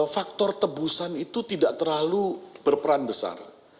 faktor tebusan itu tidak terlalu berperan besar